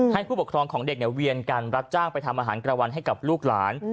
ผู้ปกครองของเด็กเนี่ยเวียนกันรับจ้างไปทำอาหารกลางวันให้กับลูกหลาน